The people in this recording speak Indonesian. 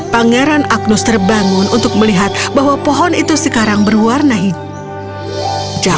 pangeran agnus terbangun untuk melihat bahwa pohon itu sekarang berwarna hijau